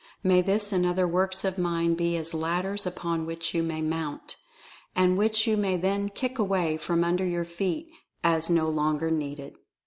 May this and other works of mine be as ladders upon which you may mount — and which you may then kick away from under your feet as no longer needed.